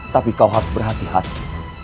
tapi kau harus berhati hati